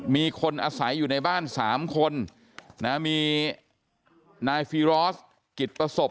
มีคนอาศัยอยู่ในบ้าน๓คนนะมีนายฟีรอสกิจประสบ